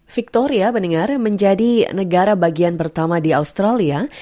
victoria beningar menjadi negara bagian pertama di australia